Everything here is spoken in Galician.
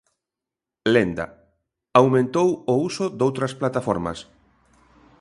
Lenda: Aumentou o uso doutras plataformas.